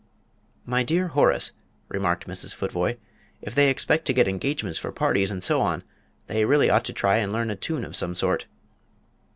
"My dear Horace!" remarked Mrs. Futvoye, "if they expect to get engagements for parties and so on, they really ought to try and learn a tune of some sort."